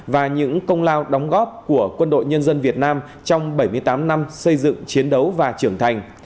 và những công lao đóng góp của quân đội nhân dân việt nam trong bảy mươi tám năm xây dựng chiến đấu và trưởng thành